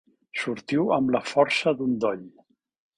Sortiu amb la força d'un doll.